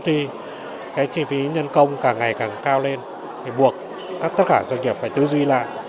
thì cái chi phí nhân công càng ngày càng cao lên thì buộc tất cả doanh nghiệp phải tư duy lại